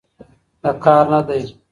د كار نه دى